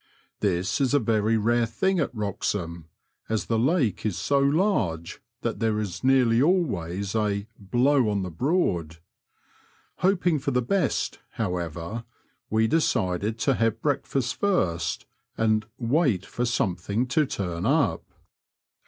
This is a very rare thing at Wroxham, as the lake is so large that there is nearly always a blow on the Broad." Hoping for the best, however, we decided to have breakfast first and " wait for something to turn up."